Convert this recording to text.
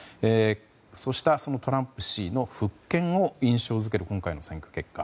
そうしたトランプ氏の復権を印象付ける選挙結果